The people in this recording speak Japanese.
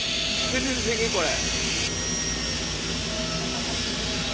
これ。